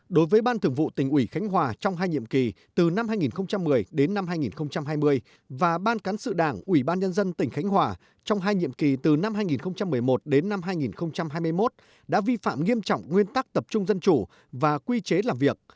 một đối với ban thường vụ tỉnh ủy khánh hòa trong hai nhiệm kỳ từ năm hai nghìn một mươi đến năm hai nghìn hai mươi và ban cán sự đảng ủy ban nhân dân tỉnh khánh hòa trong hai nhiệm kỳ từ năm hai nghìn một mươi một đến năm hai nghìn hai mươi một đã vi phạm nghiêm trọng nguyên tắc tập trung dân chủ và quy chế làm việc